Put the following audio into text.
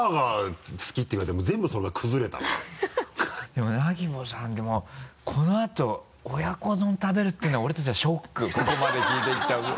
でもなぎぼさんでもこのあと親子丼食べるっていうのは俺たちはショックここまで聞いてきた。